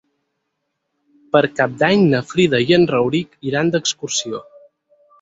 Per Cap d'Any na Frida i en Rauric iran d'excursió.